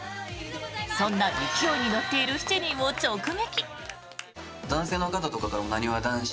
そんな勢いに乗っている７人を直撃。